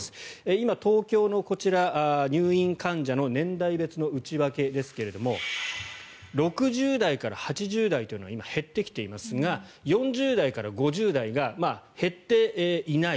今、東京の入院患者の年代別の内訳ですが６０代から８０代というのが今減ってきていますが４０代から５０代が減っていない。